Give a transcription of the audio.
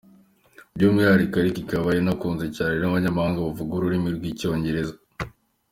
, by’umwihariko ariko ikaba inakunzwe cyane n’abanyamahanga bavuga ururimi rw’icyongereza.